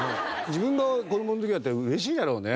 自分が子供の時だったら嬉しいだろうね。